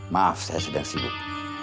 maaf saya sedang sibuk